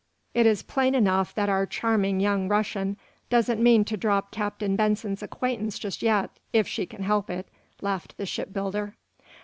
"It is plain enough that our charming young Russian doesn't mean to drop Captain Benson's acquaintance just yet, if she can help it," laughed the shipbuilder.